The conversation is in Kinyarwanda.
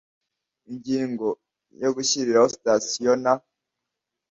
Ingingo ya gushyiraho sitasiyo nta